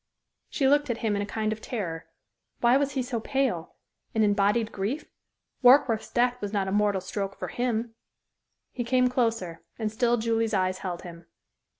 She looked at him in a kind of terror. Why was he so pale an embodied grief? Warkworth's death was not a mortal stroke for him. He came closer, and still Julie's eyes held him.